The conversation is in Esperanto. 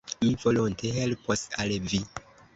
Mi volonte helpos al vi.